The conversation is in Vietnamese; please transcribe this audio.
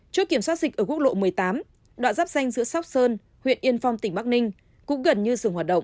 chốt kiểm soát dịch ở quốc lộ một mươi tám đoạn giáp danh giữa sóc sơn huyện yên phong tỉnh bắc ninh